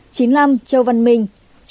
chín mươi năm châu văn minh